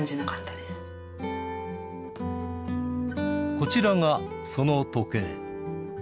こちらがその時計